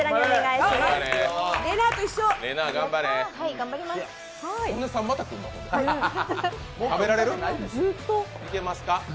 いけますか？